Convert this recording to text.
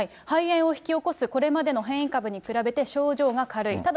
肺炎を引き起こすこれまでの変異株に比べて症状が軽い。